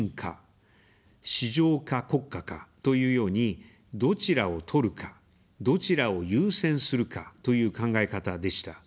「市場か国家か」、というように、どちらを取るか、どちらを優先するか、という考え方でした。